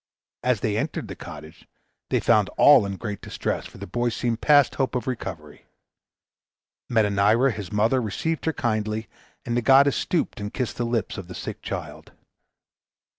As they entered the cottage, they found all in great distress, for the boy seemed past hope of recovery. Metanira, his mother, received her kindly, and the goddess stooped and kissed the lips of the sick child.